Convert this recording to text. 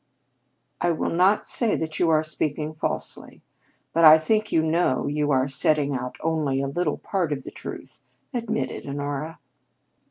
"I will not say that you are speaking falsely, but I think you know you are setting out only a little part of the truth. Admit it, Honora."